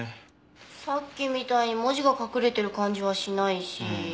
さっきみたいに文字が隠れてる感じはしないし。